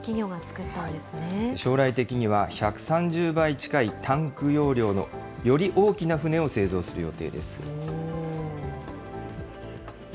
将来的には、１３０倍近いタンク容量の、より大きな船を製造する予定です。